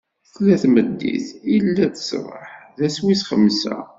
Tella-d tmeddit, illa-d ṣṣbeḥ: d ass wis xemsa.